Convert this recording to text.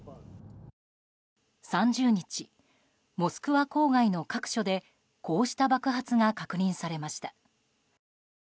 ３０日、モスクワ郊外の各所でこうした爆発が確認されました。